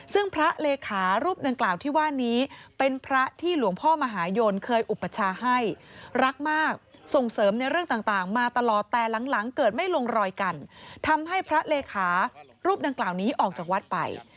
ซึ่งพระเลขารูปดังกล่าวที่ว่านี้เป็นพระที่หลวงพ่อมหายนเคยอุปชาให้รักมากส่งเสริมในเรื่องต่างมาตลอดแต่หลังเกิดไม่ลงรอยกันทำให้พระเลขารูปดังกล่าวนี้ออกจากวัดไป